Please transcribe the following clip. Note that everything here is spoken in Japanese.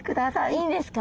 いいんですか？